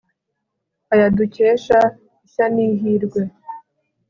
aya dukesha ishya n'ihirwe